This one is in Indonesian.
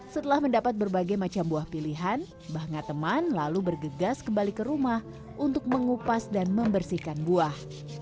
setelah mendapat berbagai macam buah pilihan mbah ngateman lalu bergegas kembali ke rumah untuk mengupas dan membersihkan buah